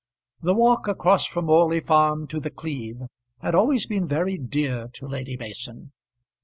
The walk across from Orley Farm to The Cleeve had always been very dear to Lady Mason.